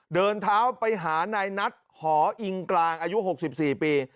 เดินเท้าไปหาในนัดหออิงกลางอายุหกสิบสี่ปี